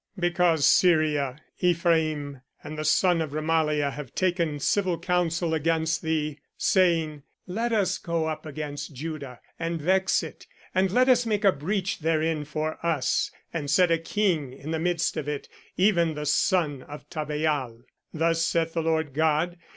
Because Syria, Ephraim, and the son of Remaliah, have taken civil counsel against thee, saying, Let us go up against Judah, and vex it, and let us make a breach therein for us, and set a King in the midst of it, even the son of Tabeal: Thus saith the Lord God.